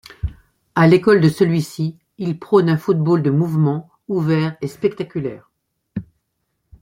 À l'école de celui-ci, il prône un football de mouvement, ouvert et spectaculaire.